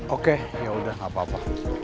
oke ya udah gak apa apa